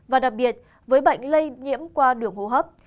và đặc biệt với bệnh lây nhiễm qua đường hô hấp